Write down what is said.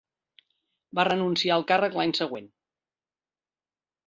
Va renunciar al càrrec l'any següent.